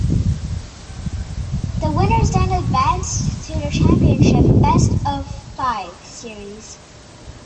The winners then advanced to the championship best-of-five series.